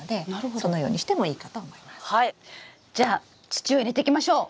じゃあ土を入れていきましょう。